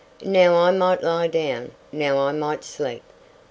Now I might lie down—now I might sleep.